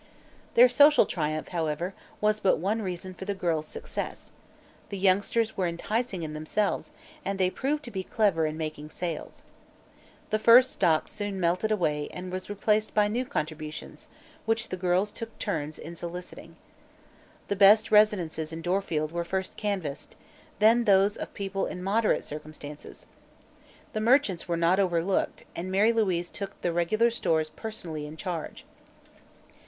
Their social triumph, however, was but one reason for the girls' success; the youngsters were enticing in themselves, and they proved to be clever in making sales. The first stock soon melted away and was replaced by new contributions, which the girls took turns in soliciting. The best residences in Dorfield were first canvassed, then those of people in moderate circumstances. The merchants were not overlooked and Mary Louise took the regular stores personally in charge.